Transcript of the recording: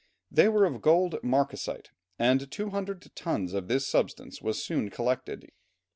They were of gold marcasite, and 200 tons of this substance was soon collected.